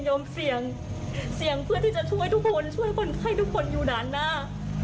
เสี่ยงเสี่ยงเพื่อที่จะช่วยทุกคนช่วยคนไข้ทุกคนอยู่ด้านหน้า